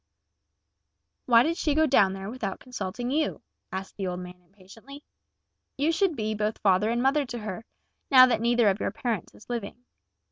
"Why did she go down there without consulting you?" asked the old man impatiently. "You should be both father and mother to her, now that neither of your parents is living.